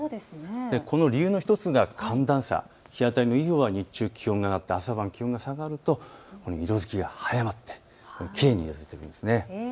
この理由の１つが寒暖差、日当たりのいいほうが日中、気温が上がって朝晩、気温が下がると色づきが早まってきれいに色づいてくるんです。